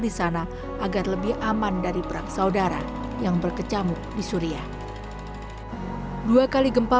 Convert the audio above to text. di sana agar lebih aman dari perang saudara yang berkecamuk di suria dua kali gempa